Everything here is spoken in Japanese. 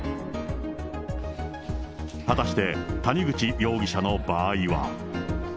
果たして、谷口容疑者の場合は。